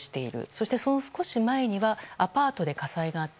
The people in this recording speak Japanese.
そして、その少し前にはアパートで火災があった。